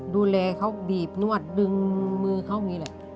ดูแลเขาบีบนวดดึงมือเขาอย่างนี้แหละ